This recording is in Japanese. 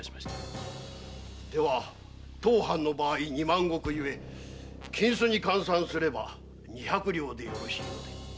当藩の場合二万石ゆえ金子に換算すれば二百両でよろしいので？